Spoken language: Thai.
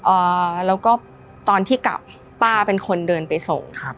อ่าแล้วก็ตอนที่กลับป้าเป็นคนเดินไปส่งครับ